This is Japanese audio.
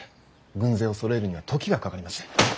軍勢をそろえるには時がかかります。